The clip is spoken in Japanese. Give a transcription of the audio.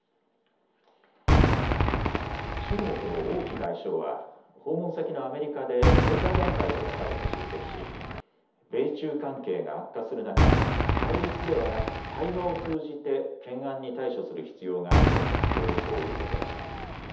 中国の王毅外相は訪問先のアメリカで経済団体との会議に出席し米中関係が悪化する中、対立ではなく対話を通じて懸案に対処する必要があると協力を呼びかけました。